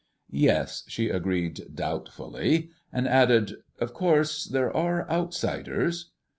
"Yes," she agreed doubtfully, and added, "Of course there are outsiders."